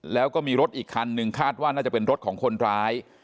แล้วก็มีรถอีกคันนึงคาดว่าน่าจะเป็นรถของคนร้าย